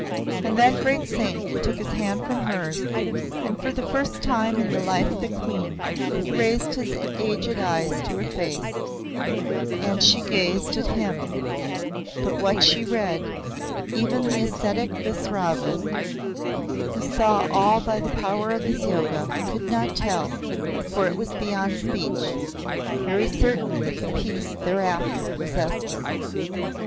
And that great saint took his hand from hers, and for the first time in the life of the Queen he raised his aged eyes to her face, and she gazed at him; but what she read, even the ascetic Visravas, who saw all by the power of his yoga, could not tell, for it was beyond speech. Very certainly the peace thereafter possessed her.